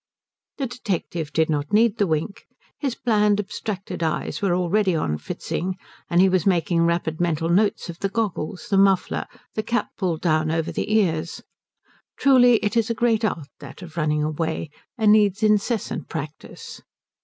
The detective did not need the wink. His bland, abstracted eyes were already on Fritzing, and he was making rapid mental notes of the goggles, the muffler, the cap pulled down over the ears. Truly it is a great art, that of running away, and needs incessant practice.